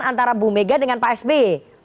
antara bu mega dengan pak sby